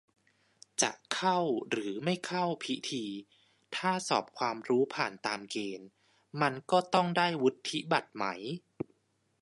จะเข้าหรือไม่เข้าพิธี ถ้าสอบความรู้ผ่านตามเกณฑ์มันก็ต้องได้วุฒิบัตรไหม